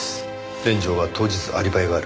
連城は当日アリバイがある。